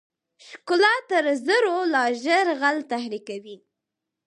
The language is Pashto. ښکلا تر زرو لا ژر غل تحریکوي.